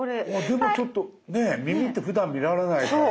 でもちょっとね耳ってふだん見られないから。